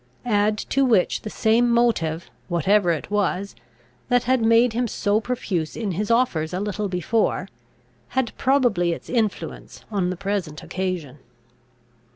Add to which, the same motive, whatever it was, that had made him so profuse in his offers a little before, had probably its influence on the present occasion.